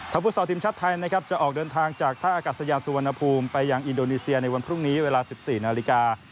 ฟุตซอลทีมชาติไทยนะครับจะออกเดินทางจากท่าอากาศยาสุวรรณภูมิไปยังอินโดนีเซียในวันพรุ่งนี้เวลา๑๔นาฬิกา